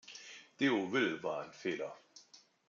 Deauville war ein Fehler.